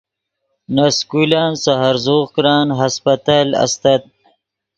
نے سکولن سے ہرزوغ کرن ہسپتل استت